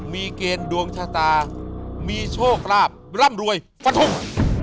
มีเกณฑ์ดวงชะตามีโชคลาภร่ำรวยฟะทุ่ง